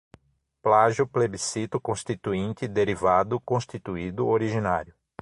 plágio, plebiscito, constituinte, derivado, constituído, originário